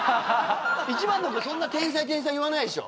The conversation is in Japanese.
１番なんかそんな天才天才言わないでしょ